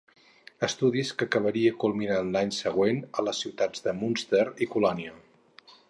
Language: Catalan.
Estudis que acabaria culminant l'any següent a les ciutats de Münster i Colònia.